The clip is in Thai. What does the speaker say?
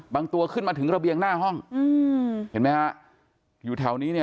ตัวขึ้นมาถึงระเบียงหน้าห้องอืมเห็นไหมฮะอยู่แถวนี้เนี่ย